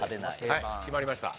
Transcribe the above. はい決まりました。